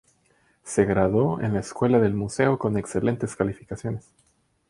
Se graduó en la Escuela del Museo con excelentes calificaciones.